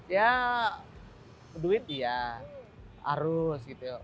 ya duit iya arus gitu